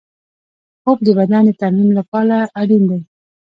خوب د بدن د ترمیم لپاره اړین دی